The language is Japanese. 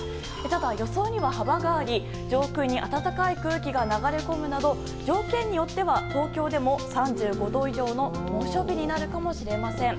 ただ、予想には幅があり上空に暖かい空気が流れ込むなど条件によっては東京でも３５度以上の猛暑日になるかもしれません。